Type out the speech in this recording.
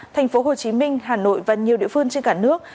thành phố hồ chí minh hà nội và nhiều địa phương trên cả nước